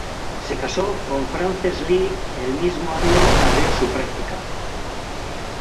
Se casó con Frances Lee el mismo año abrió su práctica.